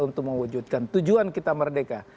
untuk mewujudkan tujuan kita merdeka